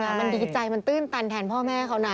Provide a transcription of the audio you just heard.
มันดีใจมันตื้นตันแทนพ่อแม่เขานะ